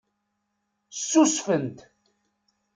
Ssusfent.